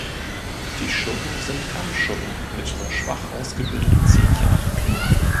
Die Schuppen sind Kammschuppen mit nur schwach ausgebildeten Zähnchen.